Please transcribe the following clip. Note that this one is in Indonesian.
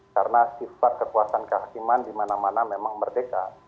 karena sifat kekuasaan kehakiman di mana mana memang merdeka